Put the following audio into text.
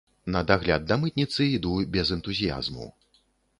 На дагляд да мытніцы іду без энтузіязму.